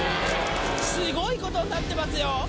スゴいことになってますよ！